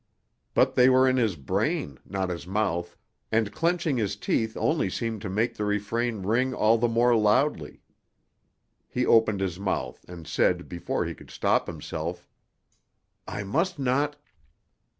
But they were in his brain, not his mouth, and clenching his teeth only seemed to make the refrain ring all the more loudly. He opened his mouth and said before he could stop himself, "I must not